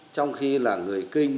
trong khi là người kinh